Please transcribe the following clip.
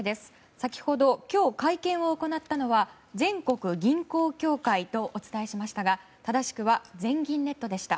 先ほど、今日会見を行ったのは全国銀行協会とお伝えしましたが正しくは全銀ネットでした。